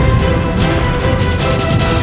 aku akan pergi ke istana yang lain